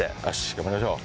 頑張りましょう。